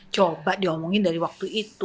coba diomongin dari waktu itu